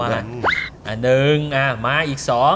อันหนึ่งมาอีก๒